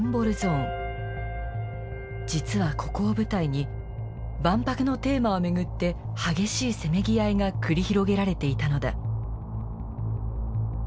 実はここを舞台に万博のテーマを巡って激しいせめぎ合いが繰り広げられていたのだ。